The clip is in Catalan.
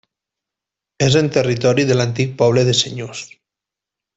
És en territori de l'antic poble de Senyús.